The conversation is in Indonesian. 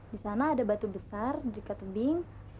di sana ada batu besar dekat tubing